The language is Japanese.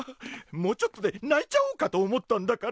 もうちょっとでないちゃおうかと思ったんだから。